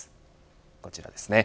こちらですね。